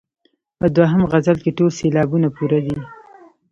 په دوهم غزل کې ټول سېلابونه پوره دي.